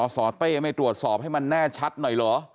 สเต้ไม่ตรวจสอบให้มันแน่ชัดหน่อยเหรอ